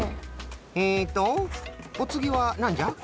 えっとおつぎはなんじゃ？